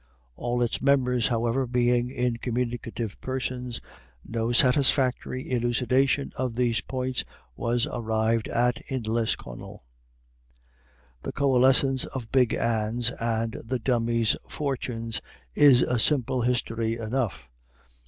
All its members, however, being incommunicative persons, no satisfactory elucidation of these points was arrived at in Lisconnel. The coalescence of Big Anne's and the Dummy's fortunes is a simple history enough.